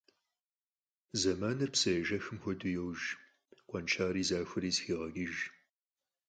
Заманыр псы ежэхым хуэдэу йож, къуэншари захуэри зэхегъэкӏыж.